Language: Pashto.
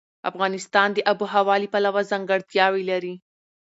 افغانستان د آب وهوا له پلوه ځانګړتیاوې لري.